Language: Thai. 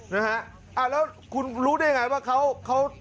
นะฮะอ่าแล้วคุณรู้ได้ไงว่าเขา